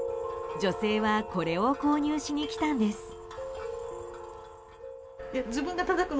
女性はこれを購入しに来たんです。